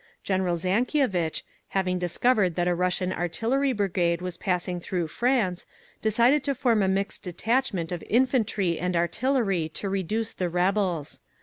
General Zankievitch, having discovered that a Russian artillery brigade was passing through France, decided to form a mixed detachment of infantry and artillery to reduce the rebels.